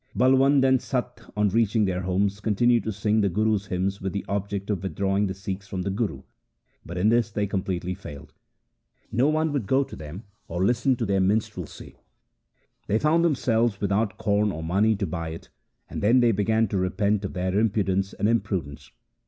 Balwand and Satta on reaching their homes continued to sing the Guru's hymns with the object of withdrawing the Sikhs from the Guru, but in this they completely failed. No one would go to them or listen to their minstrelsy. They found themselves without corn or money to buy it, and then they began to repent of their impudence and imprudence.